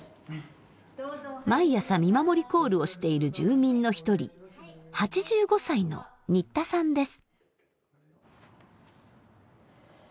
毎朝見守りコールをしている住民の一人８５歳の新田さんです。